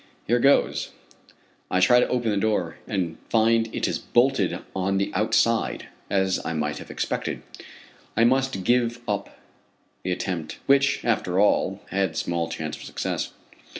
Here goes. I try to open the door, and find it is bolted on the outside, as I might have expected. I must give up the attempt, which, after all, had small chance of success.